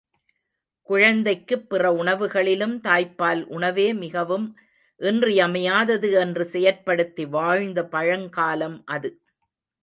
குழந்தைக்குப் பிற உணவுகளிலும் தாய்ப்பால் உணவே மிகவும் இன்றியமையாதது என்று செயற்படுத்தி வாழ்ந்த பழங்காலம் அது.